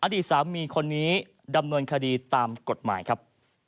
อดีตสามีคนนี้ดำเนินคดีตามกฎหมายครับ